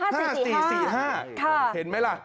อ๋อ๕๔๕ค่ะ๕๔๕เห็นไหมล่ะ